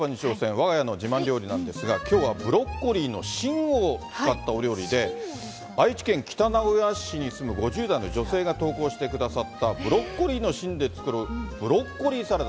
我が家の自慢料理なんですが、きょうはブロッコリーの芯を使ったお料理で、愛知県北名古屋市に住む５０代の女性が投稿してくださったブロッコリーの芯で作るブロッコリーサラダ。